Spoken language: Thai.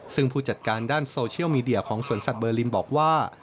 ซึ่งผู้จัดการด้านโซเชียลมีเดียของสวนสัตว์เบอร์ลินบอกว่า